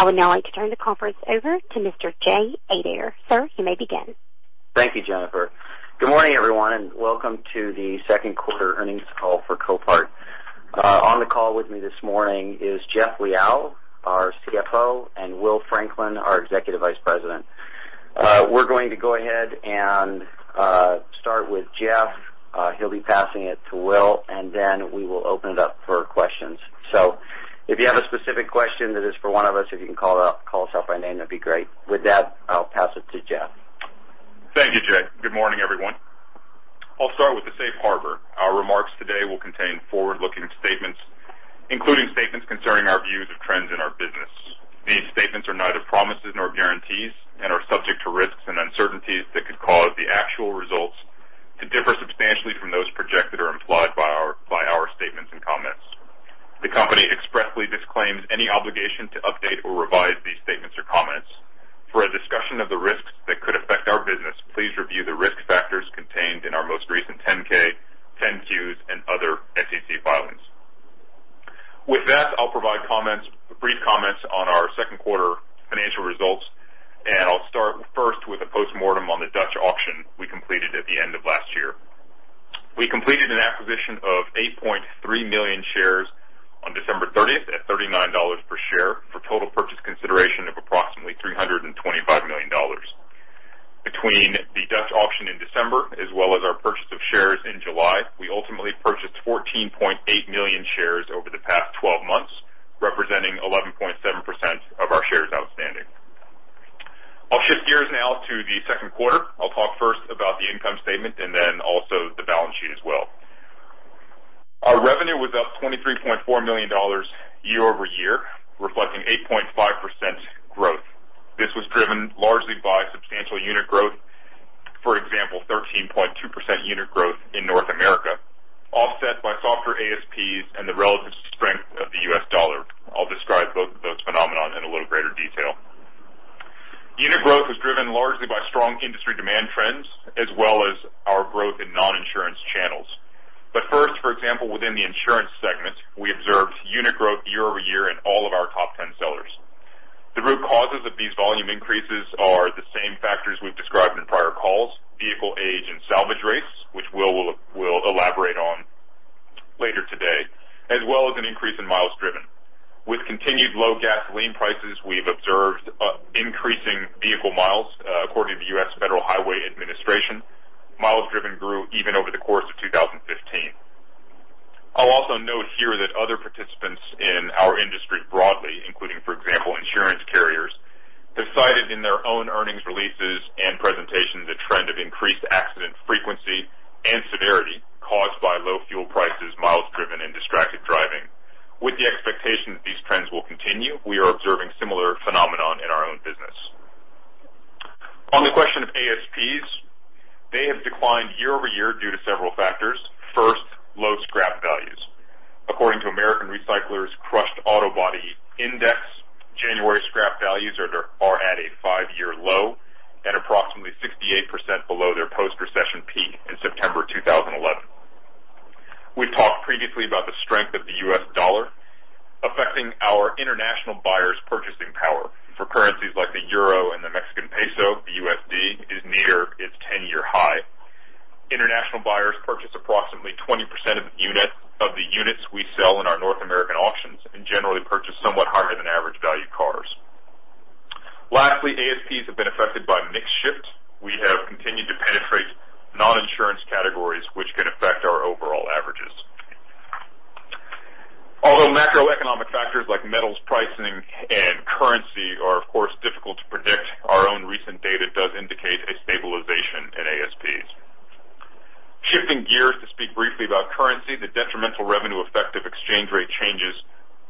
I would now like to turn the conference over to Mr. Jay Adair. Sir, you may begin. Thank you, Jennifer. Good morning, everyone, and welcome to the second quarter earnings call for Copart. On the call with me this morning is Jeff Liaw, our CFO, and Will Franklin, our Executive Vice President. We're going to go ahead and start with Jeff. He'll be passing it to Will, and then we will open it up for questions. If you have a specific question that is for one of us, if you can call us out by name, that'd be great. With that, I'll pass it to Jeff. Thank you, Jay. Good morning, everyone. I'll start with the safe harbor. Our remarks today will contain forward-looking statements, including statements concerning our views of trends in our business. These statements are neither promises nor guarantees and are subject to risks and uncertainties that could cause the actual results to differ substantially from those projected or implied by our statements and comments. The company expressly disclaims any obligation to update or revise these statements or comments. For a discussion of the risks that could affect our business, please review the risk factors contained in our most recent 10-K, 10-Qs, and other SEC filings. With that, I'll provide brief comments on our second quarter financial results, and I'll start first with a postmortem on the later today, as well as an increase in miles driven. With continued low gasoline prices, we've observed increasing vehicle miles, according to the U.S. Federal Highway Administration. Miles driven grew even over the course of 2015. I'll also note here that other participants in our industry broadly, including, for example, insurance carriers, have cited in their own earnings releases and presentations a trend of increased accident frequency and severity caused by low fuel prices, miles driven, and distracted driving. With the expectation that these trends will continue, we are observing similar phenomenon in our own business. On the question of ASPs, they have declined year-over-year due to several factors. First, low scrap values. According to American Recycler Crushed Auto Body Index, January scrap values are at a five-year low and approximately 68% below their post-recession peak in September 2011. We talked previously about the strength of the U.S. dollar affecting our international buyers' purchasing power. For currencies like the euro and the Mexican peso, the USD is near its 10-year high. International buyers purchase approximately 20% of the units we sell in our North American auctions and generally purchase somewhat higher than average value cars. Lastly, ASPs have been affected by mix shift. We have continued to penetrate non-insurance categories, which can affect our overall averages. Although macroeconomic factors like metals pricing and currency are, of course, difficult to predict, our own recent data does indicate a stabilization in ASPs. Shifting gears to speak briefly about currency, the detrimental revenue effect of exchange rate changes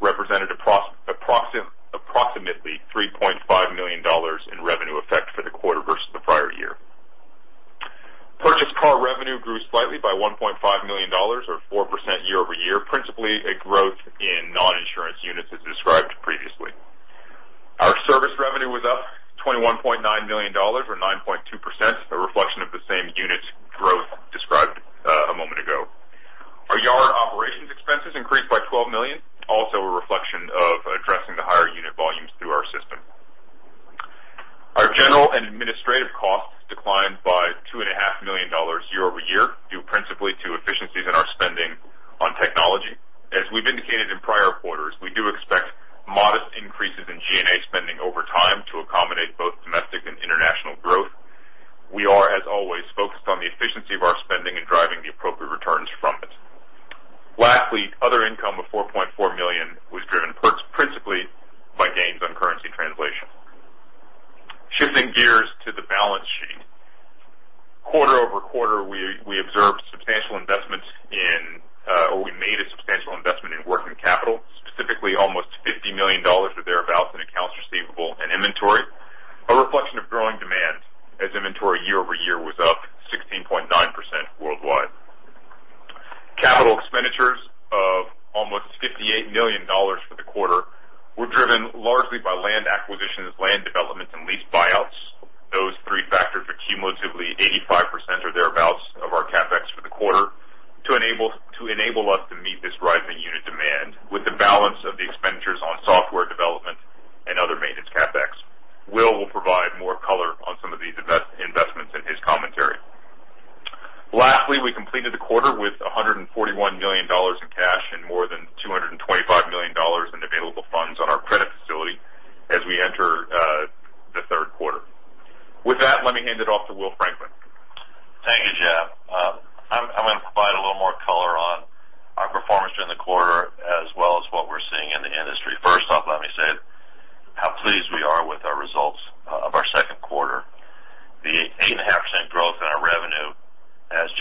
represented approximately $3.5 million in revenue effect for the quarter versus the prior year. Purchased car revenue grew slightly by $1.5 million or 4% year-over-year, principally a growth in non-insurance units as described previously. Our service revenue was up $21.9 million or 9.2%, a reflection of the same units growth described a moment ago. Our yard operations expenses increased by $12 million, also a reflection of addressing the higher unit volumes through our system. Our general and administrative costs declined by $2.5 million year-over-year, due principally to efficiencies in our spending on technology. As we've indicated in prior quarters, we do expect modest increases in G&A spending over time to accommodate both domestic and international growth. We are, as always, focused on the efficiency of our spending and driving the appropriate returns from it. Lastly, other income of $4.4 million was driven principally by gains on currency translation. Shifting gears to the balance sheet. Quarter-over-quarter, we observed substantial investments in, or we made a substantial investment in working capital, specifically almost $50 million or thereabouts in accounts receivable and inventory, a reflection of growing demand as inventory year-over-year was up 16.9% worldwide. Capital expenditures of almost $58 million for the quarter were driven largely by land acquisitions, land development, and lease buyouts the quarter to enable us to meet this rise in unit demand with the balance of the expenditures on software development and other maintenance. CapEx. Will provide more color on some of these investments in his commentary. Lastly, we completed the quarter with $141 million in cash and more than $225 million in available funds on our credit facility as we enter the third quarter. With that, let me hand it off to Will Franklin. Thank you, Jeff. I'm going to provide a little more color on our performance during the quarter as well as what we're seeing in the industry. First off, let me say how pleased we are with our results of our second quarter. The 8.5% growth in our revenue,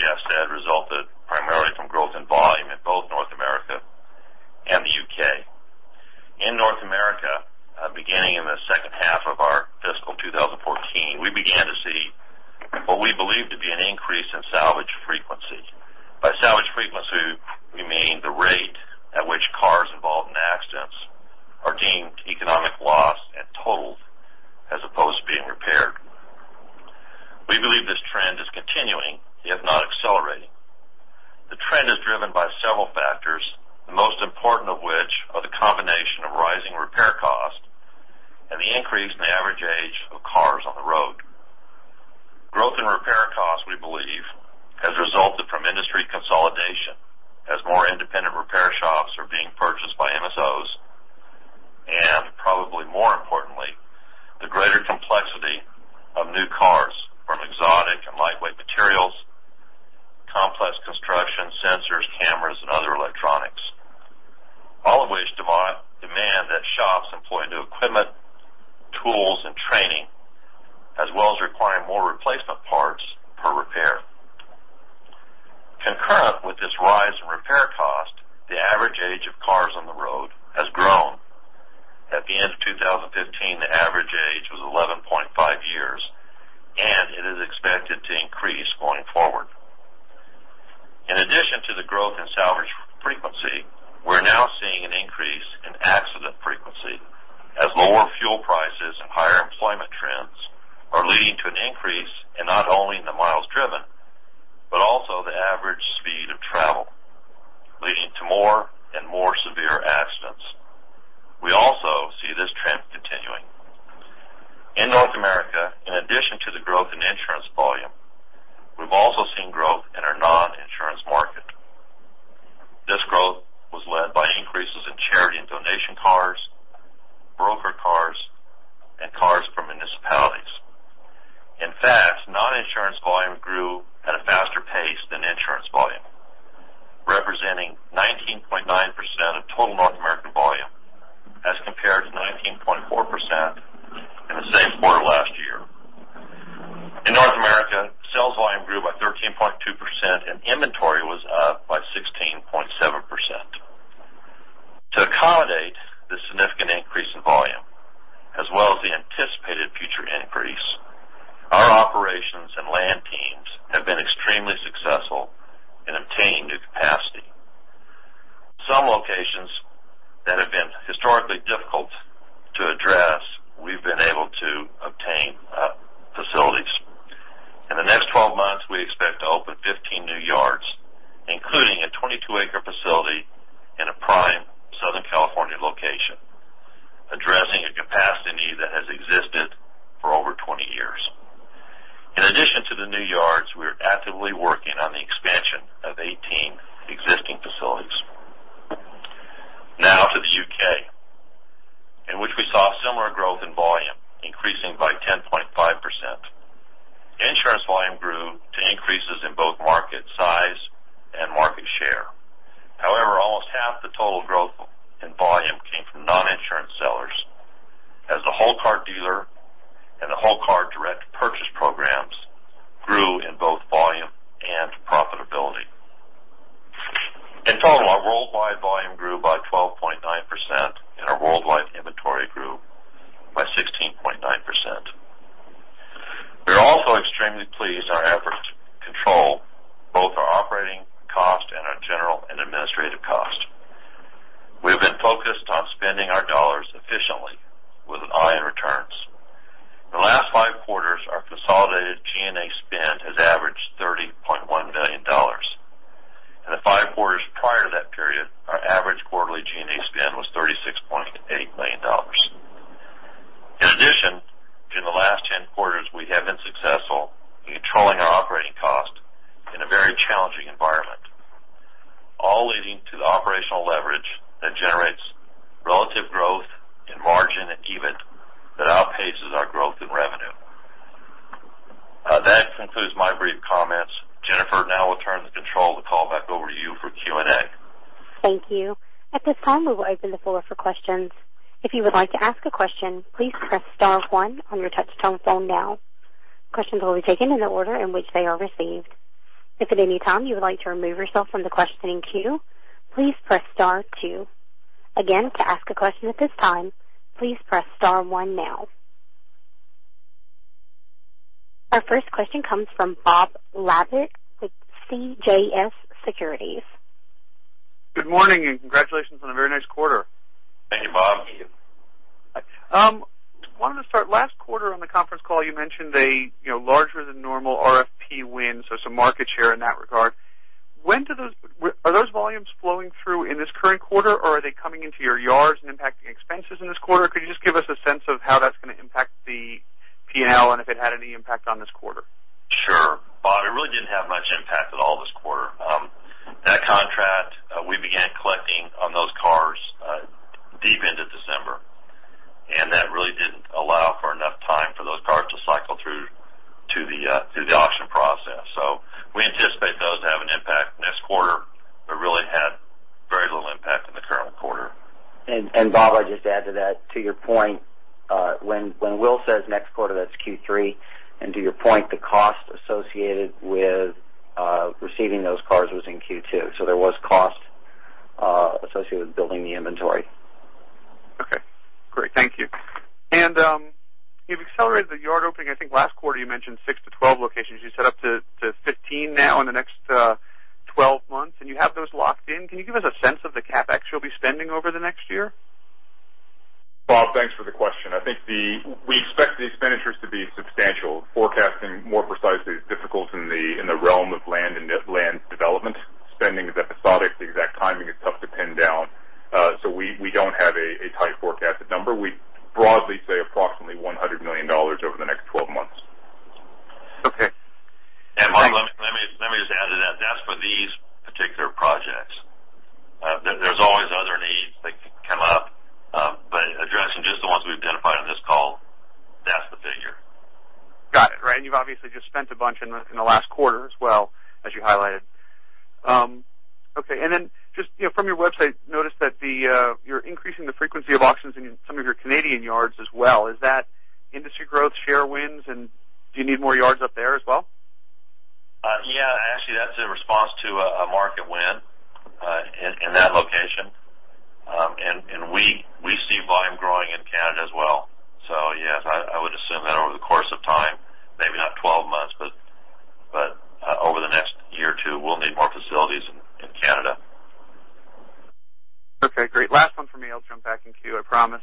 as Jeff said, resulted primarily from growth in volume in both North America and the U.K. In North America, beginning in the second half of our fiscal 2014, we began to see what we believe to be an increase in salvage frequency. By salvage frequency, we mean the rate at which cars involved in accidents are deemed economic loss and totaled as opposed to being repaired. We believe this trend is continuing, if not accelerating. The trend is driven by several factors, the most important of which are the combination of rising repair costs and the increase in the average age of cars on the road. Growth in repair costs, we believe, has resulted from industry consolidation as more independent repair shops are being purchased by MSOs, and probably more importantly, the greater complexity of new cars from exotic and lightweight materials, complex construction sensors, cameras, and other electronics. All of which demand that shops employ new equipment, tools, and training, as well as requiring more replacement parts per repair. Concurrent with this rise in repair cost, the average age of cars on the road has grown. At the end of 2015, the average age was 11.5 years, and it is expected to increase going forward. In addition to the growth in salvage frequency, we're now seeing an increase in accident frequency as lower fuel prices and higher employment trends are leading to an increase in not only the miles driven, but also the average speed of travel, leading to more and more severe accidents. We also see this trend continuing. In North America, in addition to the growth in insurance volume, we've also seen growth in our non-insurance market. This growth was led by increases in charity and donation cars, broker cars, and cars from municipalities. In fact, non-insurance volume grew at a faster pace than insurance volume, representing 19.9% of total North American volume as compared to 19.4% in the same quarter last year. In North America, sales volume grew by 13.2%, and inventory was up by 16.7%. To accommodate this significant increase in volume, as well as the anticipated future increase, our operations and land teams have been extremely successful in obtaining new capacity. Some locations that have been historically difficult to address, we've been able to obtain facilities. In the next 12 months, we expect to open 15 new yards, including a 22-acre facility in a prime Southern California location, addressing a capacity need that has existed for over 20 years. In addition to the new yards, we are actively working on the expansion of 18 existing facilities. Now to the U.K., in which we saw similar growth in volume increasing by 10.5%. Insurance volume grew to increases in both market size and market share. However, almost half the total growth in volume came from non-insurance sellers. The whole car dealer and the whole car direct purchase programs grew in both volume and profitability. In total, our worldwide volume grew by 12.9%, and our worldwide inventory grew by 16.9%. We are also extremely pleased with our efforts to control both our operating cost and our general and administrative cost. We have been focused on spending our dollars efficiently with an eye on returns. The last five quarters, our consolidated G&A spend has averaged $30.1 million. In the five quarters prior to that period, our average quarterly G&A spend was $36.8 million. In addition, in the last 10 quarters, we have been successful in controlling our operating cost in a very challenging environment. All leading to the operational leverage that generates relative growth in margin and EBIT that outpaces our growth in revenue. That concludes my brief comments. Jennifer, now I'll turn the control of the call back over to you for Q&A. Thank you. At this time, we will open the floor for questions. If you would like to ask a question, please press star one on your touch-tone phone now. Questions will be taken in the order in which they are received. If at any time you would like to remove yourself from the questioning queue, please press star two. Again, to ask a question at this time, please press star one now. Our first question comes from Robert Labick with CJS Securities. Good morning. Congratulations on a very nice quarter. Thank you, Bob. I wanted to start, last quarter on the conference call, you mentioned a larger than normal RFP win, so some market share in that regard. Are those volumes flowing through in this current quarter, or are they coming into your yards and impacting expenses in this quarter? Could you just give us a sense of how that's going to impact the P&L and if it had any impact on this quarter? Sure. Bob, it really didn't have much impact at all this quarter. That contract, we began collecting on those cars deep into December, and that really didn't allow for enough time for those cars to cycle through to the auction process. We anticipate those to have an impact next quarter, but really had very little impact in the current quarter. Bob, I'd just add to that, to your point, when Will says next quarter, that's Q3. To your point, the cost associated with receiving those cars was in Q2. There was cost associated with building the inventory. You've accelerated the yard opening. I think last quarter you mentioned six to 12 locations. You said up to 15 now in the next 12 months, and you have those locked in. Can you give us a sense of the CapEx you'll be spending over the next year? Bob, thanks for the question. I think we expect the expenditures to be substantial. Forecasting more precisely is difficult in the realm of land and net land development. Spending is episodic. The exact timing is tough to pin down. We don't have a tight forecasted number. We broadly say approximately $100 million over the next 12 months. Okay. Bob, let me just add to that. That's for these particular projects. There's always other needs that can come up. Addressing just the ones we've identified on this call, that's the figure. Got it. Right. You've obviously just spent a bunch in the last quarter as well, as you highlighted. Okay. Just from your website, noticed that you're increasing the frequency of auctions in some of your Canadian yards as well. Is that industry growth, share wins, and do you need more yards up there as well? Yeah. Actually, that's in response to a market win in that location. We see volume growing in Canada as well. Yes, I would assume that over the course of time, maybe not 12 months, but over the next year or two, we'll need more facilities in Canada. Okay, great. Last one from me. I'll turn back in queue, I promise.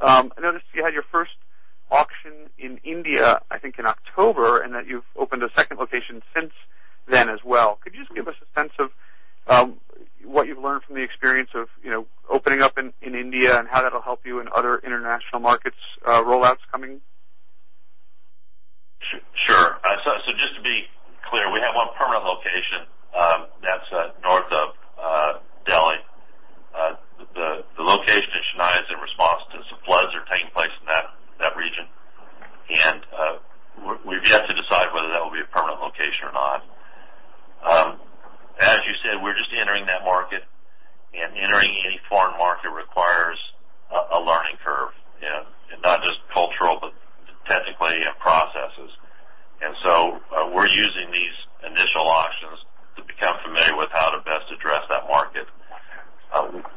I noticed you had your first auction in India, I think, in October, and that you've opened a second location since then as well. Could you just give us a sense of what you've learned from the experience of opening up in India and how that'll help you in other international markets rollouts coming? Sure. Just to be clear, we have one permanent location that's north of Delhi. The location in Chennai is in response to some floods that are taking place in that region. We've yet to decide whether that will be a permanent location or not. As you said, we're just entering that market, entering any foreign market requires a learning curve in not just cultural, but technically and processes. We're using these initial auctions to become familiar with how to best address that market.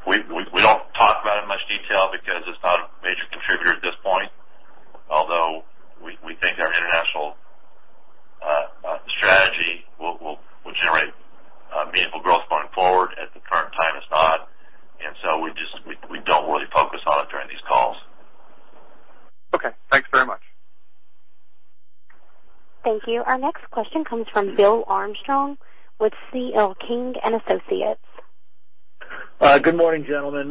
We don't talk about it in much detail because it's not a major contributor at this point, although we think our international strategy will generate meaningful growth going forward. At the current time, it's not. We don't really focus on it during these calls. Okay. Thanks very much. Thank you. Our next question comes from William Armstrong with C.L. King & Associates. Good morning, gentlemen.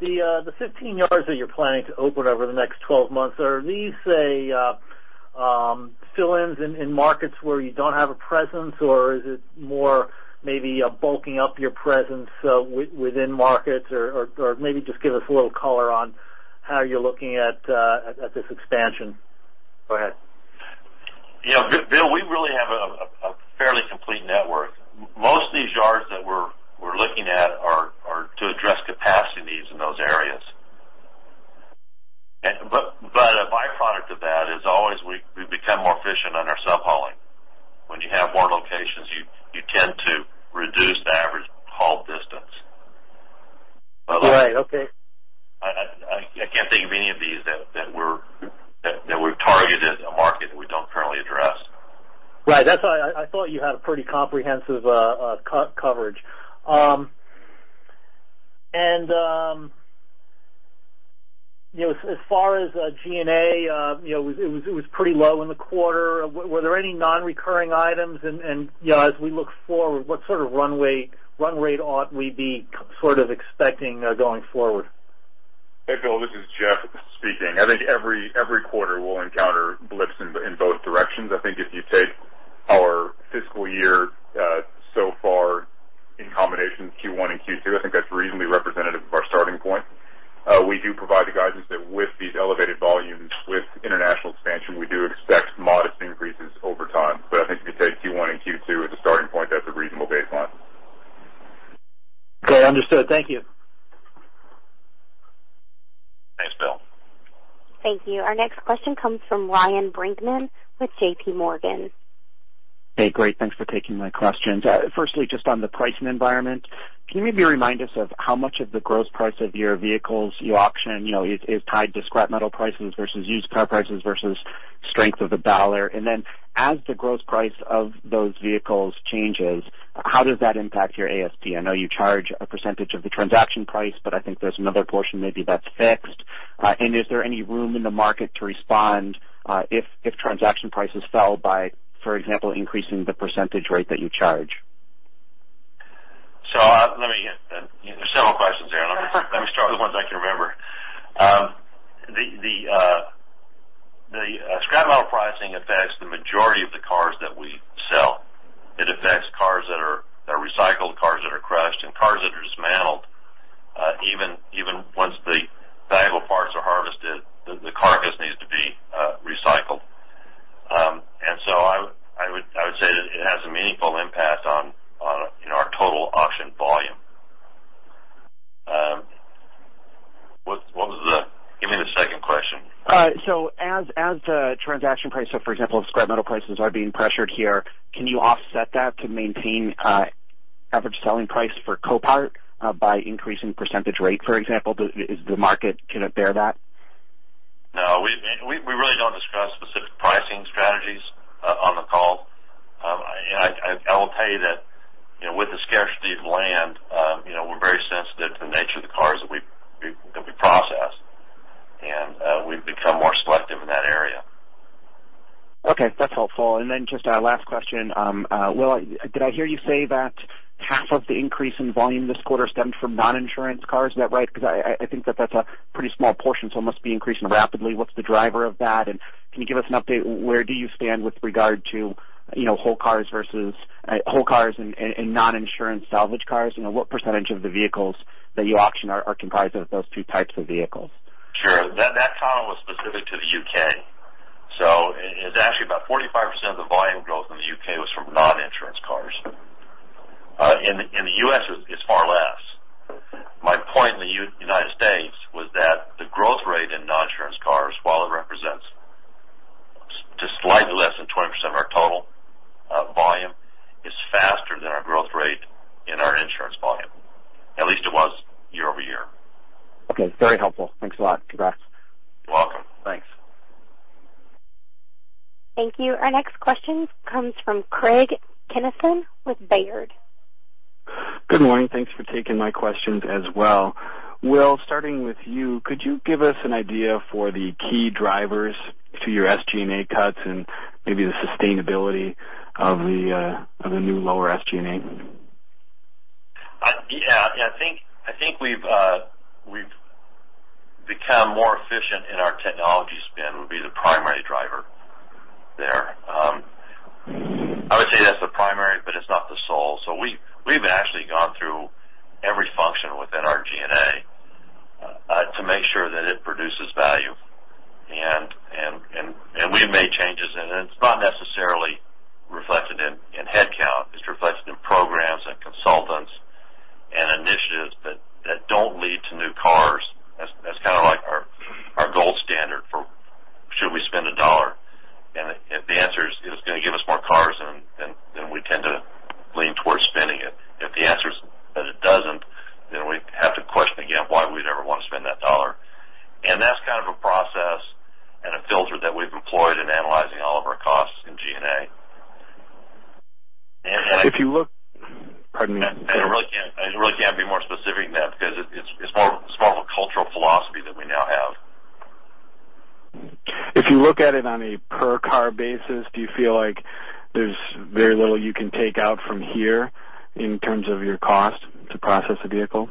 The 15 yards that you're planning to open over the next 12 months, are these fill-ins in markets where you don't have a presence, or is it more maybe bulking up your presence within markets? Or maybe just give us a little color on how you're looking at this expansion. Go ahead. Bill, we really have a fairly complete network. Most of these yards that we're looking at are to address capacity needs in those areas. A byproduct of that is always we become more efficient on our subhauling. When you have more locations, you tend to reduce the average haul distance. Right. Okay. I can't think of any of these that we've targeted a market that we don't currently address. Right. That's why I thought you had a pretty comprehensive coverage. As far as G&A, it was pretty low in the quarter. Were there any non-recurring items? As we look forward, what sort of run rate ought we be expecting going forward? Hey, Bill, this is Jeff speaking. I think every quarter we'll encounter blips in both directions. I think if you take our fiscal year so far in combination, Q1 and Q2, I think that's reasonably representative of our starting point. We do provide the guidance that with these elevated volumes, with international expansion, we do expect modest increases over time. I think if you take Q1 and Q2 as a starting point, that's a reasonable baseline. Okay, understood. Thank you. Thanks, Bill. Thank you. Our next question comes from Ryan Brinkman with JPMorgan. Hey, great. Thanks for taking my questions. Firstly, just on the pricing environment, can you maybe remind us of how much of the gross price of your vehicles you auction is tied to scrap metal prices versus used car prices versus Strength of the dollar. As the gross price of those vehicles changes, how does that impact your ASP? I know you charge a percentage of the transaction price, but I think there's another portion maybe that's fixed. Is there any room in the market to respond, if transaction prices fell by, for example, increasing the percentage rate that you charge? Let me get that. There's several questions there. Let me start with the ones I can remember. The scrap metal pricing affects the majority of the cars that we sell. It affects cars that are recycled, cars that are crushed, and cars that are dismantled. Even once the valuable parts are harvested, the carcass needs to be recycled. I would say that it has a meaningful impact on our total auction volume. Give me the second question. As the transaction price, for example, if scrap metal prices are being pressured here, can you offset that to maintain average selling price for Copart by increasing percentage rate, for example? Can the market bear that? No, we really don't discuss specific pricing strategies on the call. I will tell you that, with the scarcity of land, we're very sensitive to the nature of the cars that we process, and we've become more selective in that area. Okay. That's helpful. Just a last question. Will, did I hear you say that half of the increase in volume this quarter stemmed from non-insurance cars? Is that right? I think that that's a pretty small portion, it must be increasing rapidly. What's the driver of that, and can you give us an update? Where do you stand with regard to whole cars and non-insurance salvage cars? What % of the vehicles that you auction are comprised of those two types of vehicles? Sure. That comment was specific to the U.K. It's actually about 45% of the volume growth in the U.K. was from non-insurance cars. In the U.S., it's far less. My point in the United States was that the growth rate in non-insurance cars, while it represents just slightly less than 20% of our total volume, is faster than our growth rate in our insurance volume. At least it was year-over-year. Okay. Very helpful. Thanks a lot. Congrats. You're welcome. Thanks. Thank you. Our next question comes from Craig Kennison with Baird. Good morning. Thanks for taking my questions as well. Will, starting with you, could you give us an idea for the key drivers to your SG&A cuts and maybe the sustainability of the new lower SG&A? Yeah. I think we've become more efficient in our technology spend, would be the primary driver there. I would say that's the primary, but it's not the sole. We've actually gone through every function within our G&A to make sure that it produces value. We have made changes in it. It's not necessarily reflected in headcount. It's reflected in programs and consultants and initiatives that don't lead to new cars. That's kind of our gold standard for should we spend a dollar? If the answer is it's going to give us more cars, then we tend to lean towards spending it. If the answer is that it doesn't, then we have to question again why we'd ever want to spend that dollar. That's kind of a process and a filter that we've employed in analyzing all of our costs in G&A. Pardon me. I really can't be more specific than that because it's more of a cultural philosophy that we now have. If you look at it on a per car basis, do you feel like there's very little you can take out from here in terms of your cost to process a vehicle?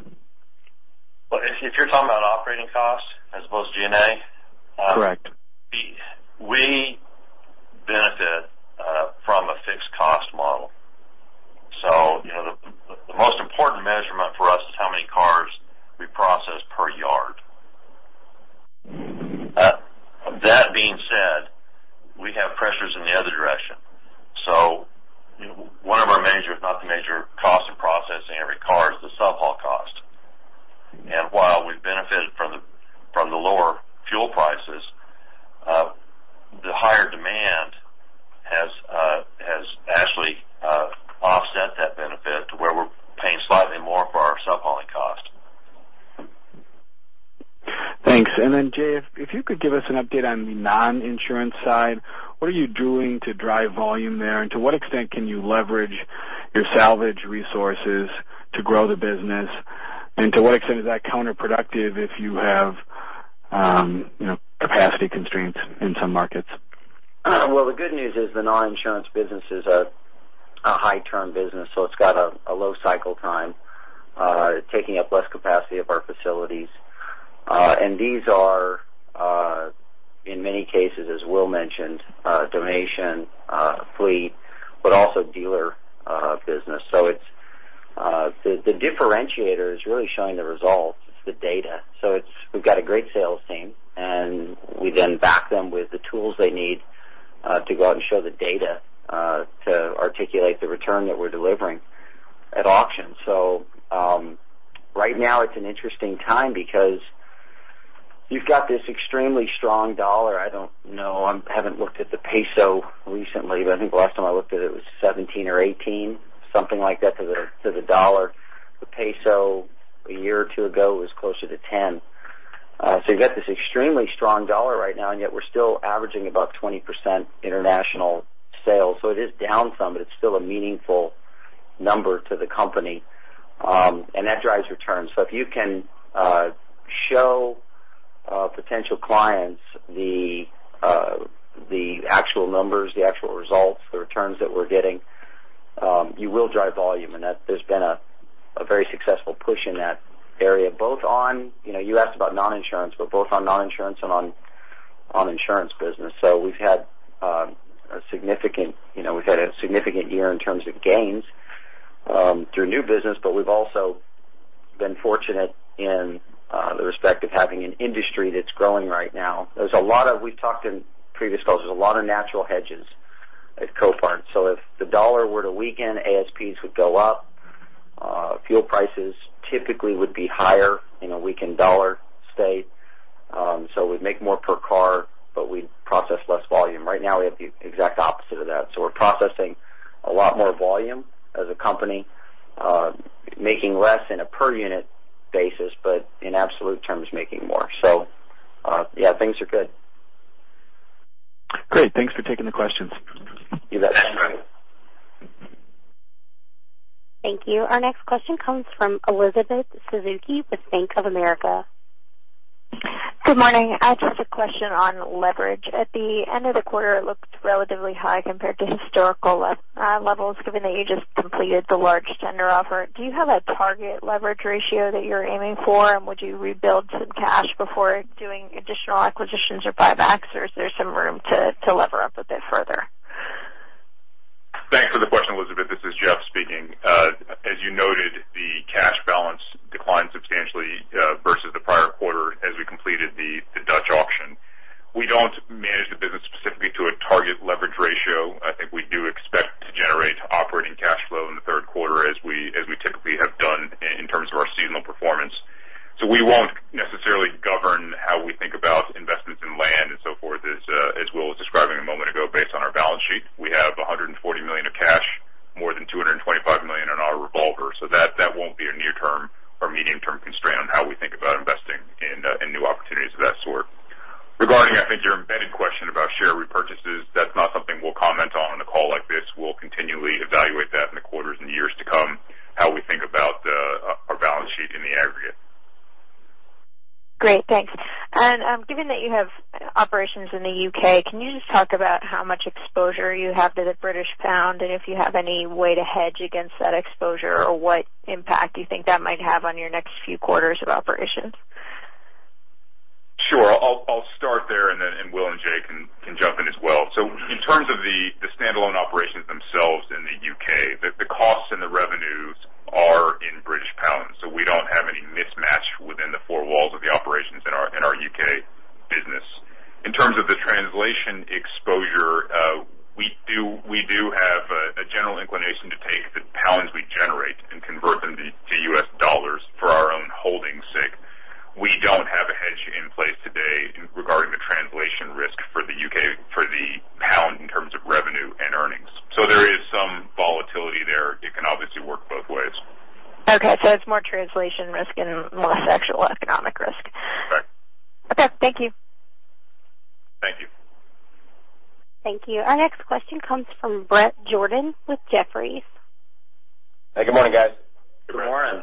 Well, if you're talking about operating costs as opposed to G&A- Correct we benefit from a fixed cost model. The most important measurement for us is how many cars we process per yard. That being said, we have pressures in the other direction. One of our major, if not the major cost of processing every car is the subhauling cost. While we benefited from the lower fuel prices, the higher demand has actually offset that benefit to where we're paying slightly more for our subhauling cost. Thanks. Jay, if you could give us an update on the non-insurance side. What are you doing to drive volume there, and to what extent can you leverage your salvage resources to grow the business? To what extent is that counterproductive if you have capacity constraints in some markets? Well, the good news is the non-insurance business is a high turn business, so it's got a low cycle time, taking up less capacity of our facilities. These are, in many cases, as Will mentioned, donation, fleet, but also dealer business. The differentiator is really showing the results. It's the data. We've got a great sales team, and we then back them with the tools they need to go out and show the data, to articulate the return that we're delivering at auction. Right now it's an interesting time because you've got this extremely strong dollar. I don't know. I haven't looked at the peso recently, but I think the last time I looked at it was 17 or 18, something like that to the dollar. The peso a year or two ago was closer to 10. You got this extremely strong dollar right now, and yet we're still averaging about 20% international sales. It is down some, but it's still a meaningful number to the company. That drives returns. If you can show potential clients the actual numbers, the actual results, the returns that we're getting, you will drive volume. There's been a very successful push in that area, you asked about non-insurance, but both on non-insurance and on insurance business. We've had a significant year in terms of gains through new business, but we've also been fortunate in the respect of having an industry that's growing right now. We've talked in previous calls, there's a lot of natural hedges at Copart. If the dollar were to weaken, ASPs would go up. Fuel prices typically would be higher in a weakened dollar state. We'd make more per car, but we'd process less volume. Right now, we have the exact opposite of that. We're processing a lot more volume as a company, making less in a per unit basis, but in absolute terms, making more. Yeah, things are good. Great. Thanks for taking the questions. You bet. Thanks. Thank you. Our next question comes from Elizabeth Suzuki with Bank of America. Good morning. I just have a question on leverage. At the end of the quarter, it looked relatively high compared to historical levels, given that you just completed the large tender offer. Do you have a target leverage ratio that you're aiming for, and would you rebuild some cash before doing additional acquisitions or buybacks, or is there some room to lever up a bit further? Thanks for the question, Elizabeth. This is Jeff speaking. As you noted, the cash balance declined substantially versus the prior quarter as we completed the Dutch auction. We don't manage the business specifically to a target leverage ratio. I think we do expect to generate operating cash flow in the third quarter as we typically have done in terms of our seasonal performance. We won't necessarily govern how we think about investments in land In terms of the translation exposure, we do have a general inclination to take the pounds we generate and convert them to US dollars for our own holdings' sake. We don't have a hedge in place today regarding the translation risk for the U.K., for the pound in terms of revenue and earnings. There is some volatility there. It can obviously work both ways. Okay. It's more translation risk and less actual economic risk. Correct. Okay. Thank you. Thank you. Thank you. Our next question comes from Bret Jordan with Jefferies. Hey, good morning, guys. Good morning. Good morning.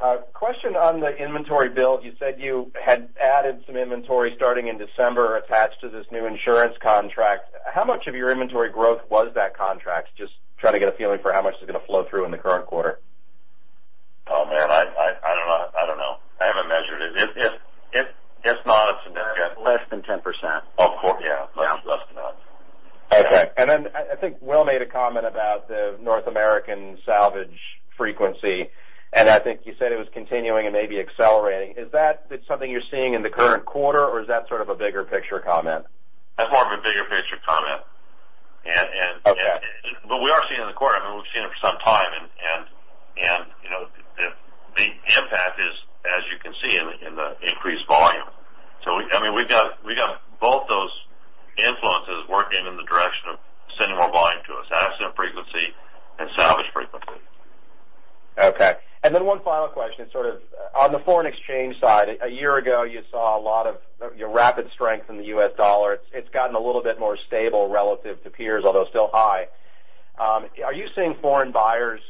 A question on the inventory build. You said you had added some inventory starting in December attached to this new insurance contract. How much of your inventory growth was that contract? Just trying to get a feeling for how much is going to flow through in the current quarter. Oh, man, I don't know. I haven't measured it. Less than 10%. Of course, yeah. Much less than that. Okay. I think Will made a comment about the North American salvage frequency, and I think you said it was continuing and maybe accelerating. Is that something you're seeing in the current quarter, or is that sort of a bigger picture comment? That's more of a bigger picture comment. Okay. We are seeing it in the quarter. I mean, we've seen it for some time, and the impact is as you can see in the increased volume. We've got both those influences working in the direction of sending more volume to us, accident frequency and salvage frequency. Okay. One final question, sort of on the foreign exchange side. A year ago, you saw a lot of rapid strength in the U.S. dollar. It's gotten a little bit more stable relative to peers, although still high. Are you seeing foreign buyers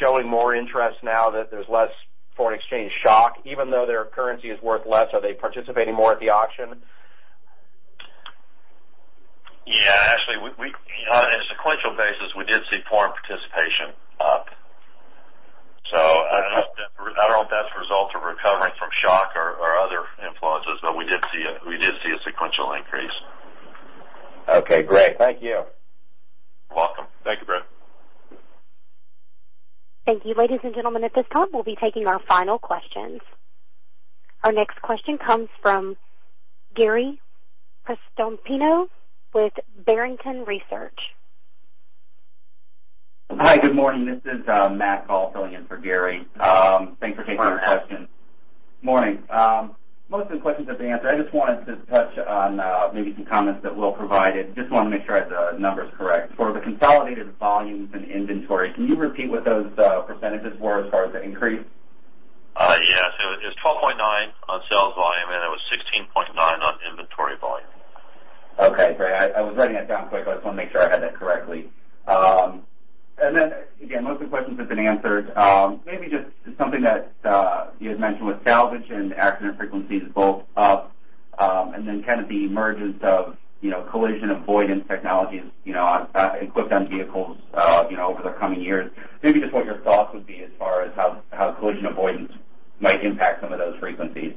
showing more interest now that there's less foreign exchange shock? Even though their currency is worth less, are they participating more at the auction? Yeah. Actually, on a sequential basis, we did see foreign participation up. I don't know if that's a result of recovering from shock or other influences, but we did see a sequential increase. Okay, great. Thank you. You're welcome. Thank you, Bret. Thank you. Ladies and gentlemen, at this time, we'll be taking our final questions. Our next question comes from Gary Prestopino with Barrington Research. Hi, good morning. This is Matt Call filling in for Gary. Thanks for taking my question. Morning. Most of the questions have been answered. I just wanted to touch on maybe some comments that Will provided. Just want to make sure I have the numbers correct. For the consolidated volumes and inventory, can you repeat what those percentages were as far as the increase? Yes. It was 12.9 on sales volume, and it was 16.9 on inventory volume. Okay, great. I was writing that down quick. I just wanted to make sure I had that correctly. Again, most of the questions have been answered. Maybe just something that you had mentioned with salvage and accident frequencies both up, and then the emergence of collision avoidance technologies equipped on vehicles over the coming years. Maybe just what your thoughts would be as far as how collision avoidance might impact some of those frequencies.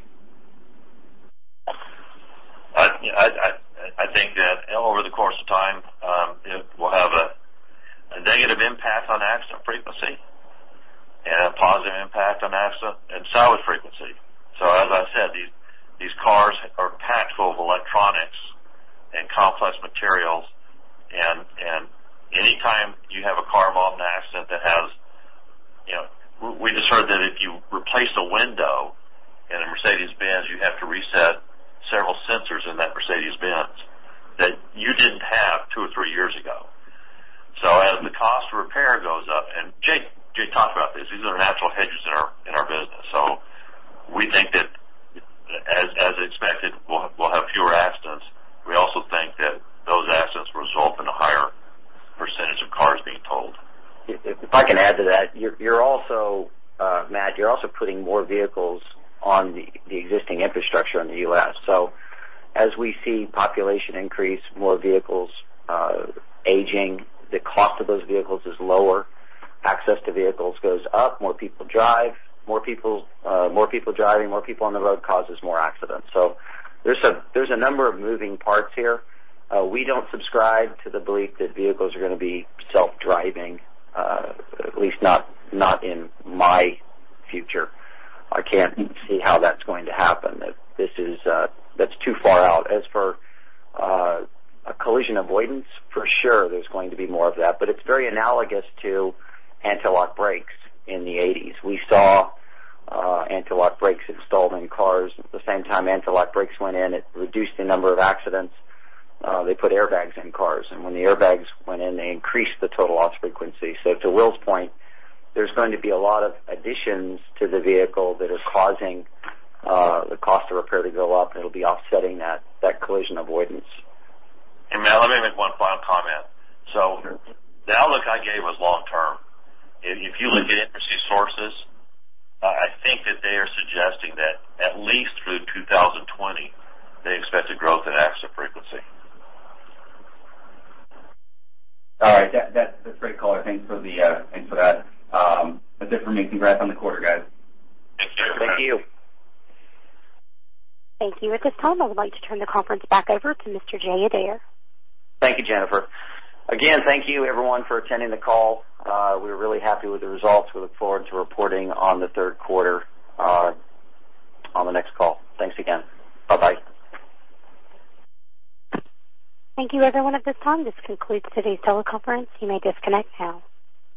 I think that over the course of time, it will have a negative impact on accident frequency and a positive impact on accident and salvage frequency. As I said, these cars are packed full of electronics and complex materials, and any time you have a car involved in an accident. We just heard that if you replace a window in a Mercedes-Benz, you have to reset several sensors in that Mercedes-Benz that you didn't have two or three years ago. As the cost of repair goes up, and Jay talked about this, these are natural hedges in our business. We think that, as expected, we'll have fewer accidents. We also think that those accidents result in a higher % of cars being totaled. If I can add to that, Matt, you're also putting more vehicles on the existing infrastructure in the U.S. As we see population increase, more vehicles aging. The cost of those vehicles is lower. Access to vehicles goes up. More people drive. More people driving, more people on the road causes more accidents. There's a number of moving parts here. We don't subscribe to the belief that vehicles are going to be self-driving, at least not in my future. I can't see how that's going to happen. That's too far out. As for collision avoidance, for sure there's going to be more of that. It's very analogous to anti-lock brakes in the '80s. We saw anti-lock brakes installed in cars. At the same time anti-lock brakes went in, it reduced the number of accidents. They put airbags in cars. When the airbags went in, they increased the total loss frequency. To Will's point, there's going to be a lot of additions to the vehicle that are causing the cost of repair to go up. It'll be offsetting that collision avoidance. Matt, let me make one final comment. Sure. The outlook I gave was long term. If you look at industry sources, I think that they are suggesting that at least through 2020, they expect a growth in accident frequency. All right. That's a great call. Thanks for that. That's it for me. Congrats on the quarter, guys. Thanks, Matt. Thank you. Thank you. At this time, I would like to turn the conference back over to Mr. Jay Adair. Thank you, Jennifer. Again, thank you everyone for attending the call. We're really happy with the results. We look forward to reporting on the third quarter on the next call. Thanks again. Bye-bye. Thank you, everyone. At this time, this concludes today's teleconference. You may disconnect now.